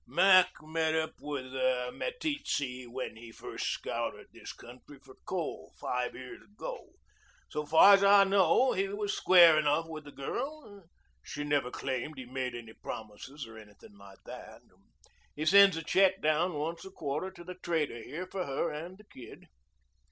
"Mac met up with Meteetse when he first scouted this country for coal five years ago. So far's I know he was square enough with the girl. She never claimed he made any promises or anything like that. He sends a check down once a quarter to the trader here for her and the kid."